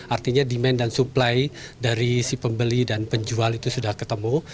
artinya demand dan supply dari si pembeli dan penjual itu sudah ketemu